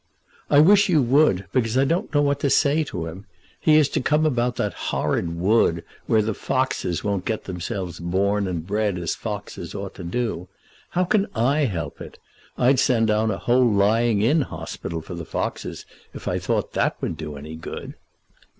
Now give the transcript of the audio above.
"I wish you would, because I don't know what to say to him. He is to come about that horrid wood, where the foxes won't get themselves born and bred as foxes ought to do. How can I help it? I'd send down a whole Lying in Hospital for the foxes if I thought that that would do any good."